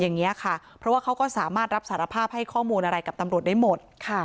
อย่างนี้ค่ะเพราะว่าเขาก็สามารถรับสารภาพให้ข้อมูลอะไรกับตำรวจได้หมด